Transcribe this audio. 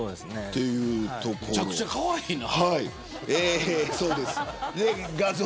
めちゃくちゃかわいいな。